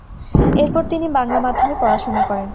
এরপর তিনি বাংলা মাধ্যমে পড়াশোনা করেন।